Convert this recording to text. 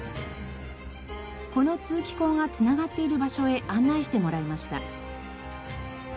この通気口が繋がっている場所へ案内してもらいました。